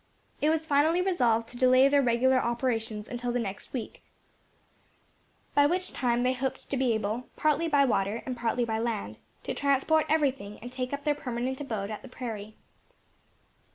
It was finally resolved to delay their regular operations until the next week, by which time they hoped to be able, partly by water and partly by land, to transport everything, and take up their permanent abode at the prairie.